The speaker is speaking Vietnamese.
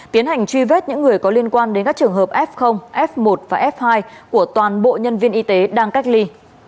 tiến hành truy vết những người có liên quan đến các trường hợp f f một và f hai của toàn bộ nhân viên y tế đang cách ly